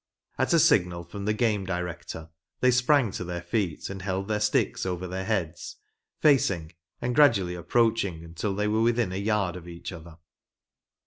At a signal from the game director they sprang to their feet and held their sticks over their heads, facing, and gradual ly approaching until they were within a yard of each other.